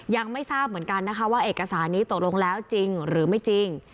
ยังไม่ทราบเหมือนกันนะคะว่าเอกสารนี้ตกลงแล้วจริงหรือไม่จริง